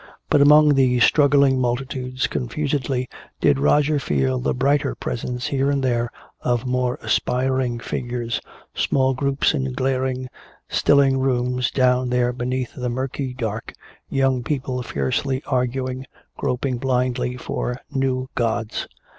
But among these struggling multitudes confusedly did Roger feel the brighter presence here and there of more aspiring figures, small groups in glaring, stilling rooms down there beneath the murky dark, young people fiercely arguing, groping blindly for new gods.